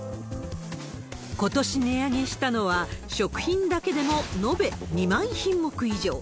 ことし値上げしたのは、食品だけでも延べ２万品目以上。